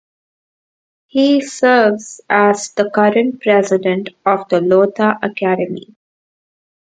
He serves as the current President of the "Lotha Academy".